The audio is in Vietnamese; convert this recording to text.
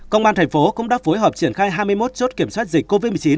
công an thành phố cũng đã phối hợp triển khai hai mươi một chốt kiểm soát dịch covid một mươi chín